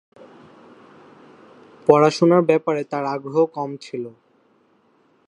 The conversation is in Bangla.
পড়াশুনার ব্যাপারে তার আগ্রহ কম ছিল।